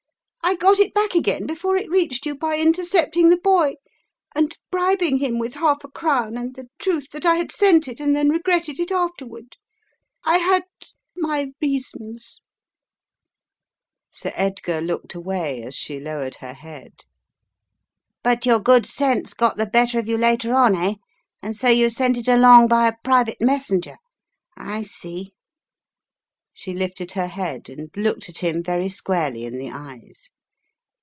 I got it back again before it reached you by intercepting the boy and bribing him with half a crown and the truth that I had sent it and then regretted it afterward. I had — my rea sons !" Sir Edgar looked away, as she lowered her head. "But your good sense got the better of you later on, eh? And so you sent it along by a private messenger? I see " She lifted her head and looked at him very squarely in the eyes.